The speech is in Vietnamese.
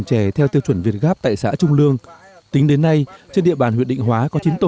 chè theo tiêu chuẩn việt gáp tại xã trung lương tính đến nay trên địa bàn huyện định hóa có chín tổ